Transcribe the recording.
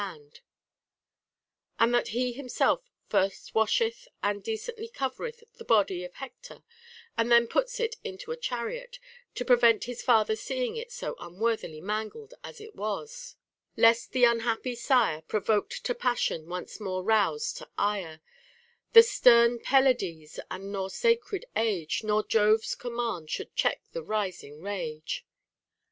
5G0 and 584 ; Odyss. XVI. 274 80 HOW A YOUNG MAN OUGHT and that he himself first washeth and decently covereth the body of Hector and then puts it into a chariot, to prevent his father's seeing it so unworthily mangled as it was, — Lest the unhappy sire, Provoked to passion, once more rouse to ire The stern Pelides ; and nor sacred age, Nor Jove's command, should check the rising rage.